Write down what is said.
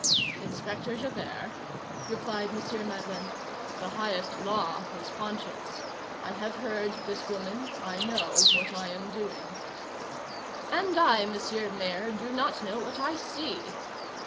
"Inspector Javert," replied M. Madeleine, "the highest law is conscience. I have heard this woman; I know what I am doing." "And I, Mr. Mayor, do not know what I see."